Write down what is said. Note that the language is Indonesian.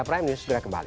prime news segera kembali